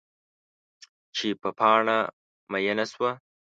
چې په پاڼه میینه شوه